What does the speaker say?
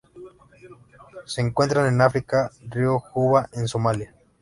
Se encuentran en África: río Juba en Somalia.